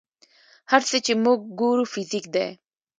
هر څه چې موږ ګورو فزیک دی.